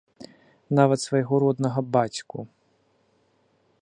Нават свайго роднага бацьку.